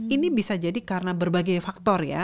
ini bisa jadi karena berbagai faktor ya